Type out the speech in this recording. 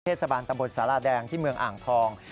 เทศบาลตำบลสาราแดงที่เมืองอ่างทอง